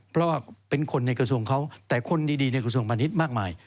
เพราะว่าเป็นคนในกระทรวงเขาแต่คนดีในกระทรวงพาณิชย์มากมาย